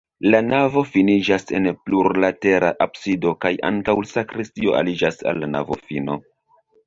La navo finiĝas en plurlatera absido kaj ankaŭ sakristio aliĝas al la navofino.